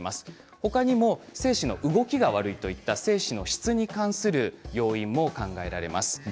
他にも精子の動きが悪いといった精子の質に関する要因も考えられます。